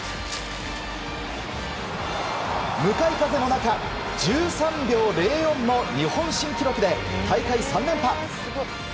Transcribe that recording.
向かい風の中、１３秒０４の日本新記録で大会３連覇。